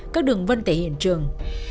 các đường vân tại hiện trường